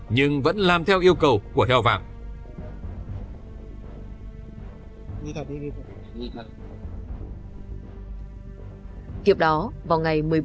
nhưng vẫn làm theo yêu cầu của heo vàng